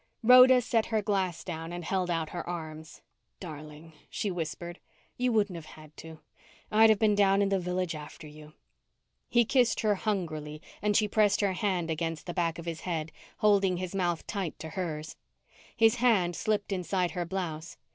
Rhoda set her glass down and held out her arms. "Darling," she whispered. "You wouldn't have had to. I'd have been down in the Village after you." He kissed her hungrily and she pressed her hand against the back of his head, holding his mouth tight to hers. His hand slipped inside her blouse.